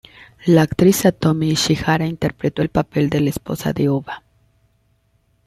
La actriz Satomi Ishihara interpretó el papel de la esposa de Ōba.